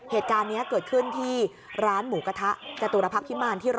เหตุการณ์นี้เกิดขึ้นที่ร้านหมูกระทะจตุรพักษ์พิมารที่๑๐